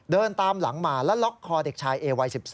เดินตามหลังมาแล้วล็อกคอเด็กชายเอวัย๑๒